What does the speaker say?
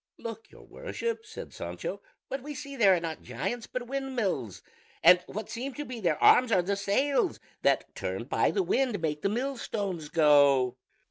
"Look, your Worship," said Sancho; "what we see there are not giants but windmills, and what seem to be their arms are the sails that turned by the wind make the millstones go."